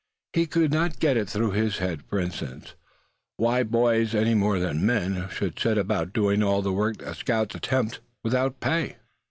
He could not get it through his head, for instance, why boys any more than men, should set about doing all the work that scouts attempt, without pay.